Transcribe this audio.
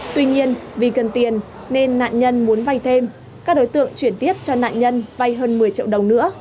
tuy nhiên vì cần tiền nên nạn nhân muốn vay thêm các đối tượng chuyển tiếp cho nạn nhân vay hơn một mươi triệu đồng nữa